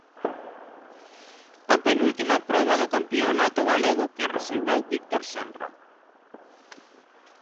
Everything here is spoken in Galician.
A penúltima proba do campionato galego que resolveu Víctor Senra.